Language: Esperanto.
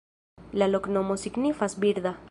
La loknomo signifas: birda.